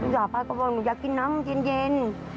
ลูกหล่าป้าก็บอกหนูอยากกินน้ำเย็น